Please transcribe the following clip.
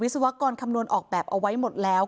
ศวกรคำนวณออกแบบเอาไว้หมดแล้ว